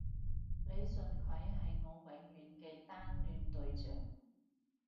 李純揆係我永遠嘅單戀對象